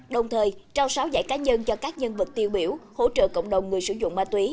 đồng thời trao sáu giải cá nhân cho các nhân vật tiêu biểu hỗ trợ cộng đồng người sử dụng ma túy